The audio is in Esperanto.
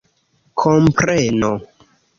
kompreno